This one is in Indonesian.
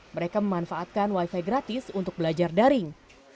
mereka memanfaatkan wifi gratis untuk belajar daring